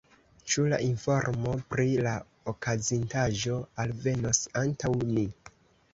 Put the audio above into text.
Ĉu la informo pri la okazintaĵo alvenos antaŭ ni?